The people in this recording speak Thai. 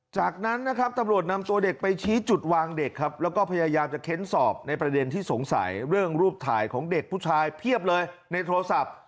จากนั้นนะครับตำรวจนำตัวเด็กไปชี้จุดวางเด็กครับแล้วก็พยายามจะเค้นสอบในประเด็นที่สงสัยเรื่องรูปถ่ายของเด็กผู้ชายเพียบเลยในโทรศัพท์